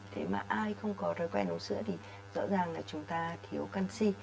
thế mà ai không có thói quen uống sữa thì rõ ràng là chúng ta thiếu canxi